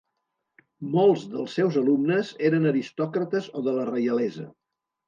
Molts dels seus alumnes eren aristòcrates o de la reialesa.